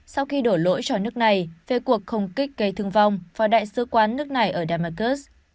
sau khi đổ lỗi cho nước này về cuộc không kích gây thương vong vào đại sứ quán nước này ở damasus